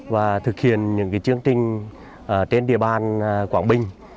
và thực hiện những chương trình trên địa bàn quảng bình